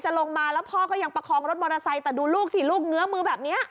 ลงมาแล้วพ่อก็ยังประคองรถมอเตอร์ไซค์แต่ดูลูกสิลูกเงื้อมือแบบนี้